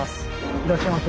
いらっしゃいませ。